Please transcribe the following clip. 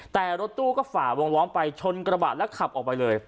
แต่รถตู้ก็ฝ่าวงล้อมไปชนกระบะแล้วขับออกไปเลย